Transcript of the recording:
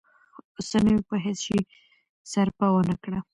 اوسنيو په هیڅ شي سرپه ونه کړه.